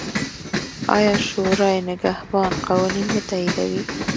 آیا شورای نګهبان قوانین نه تاییدوي؟